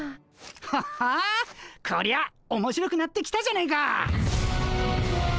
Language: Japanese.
はっはこりゃおもしろくなってきたじゃねえか。